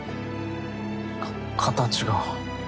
か形が。